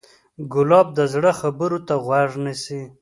ګلاب د زړه خبرو ته غوږ نیسي.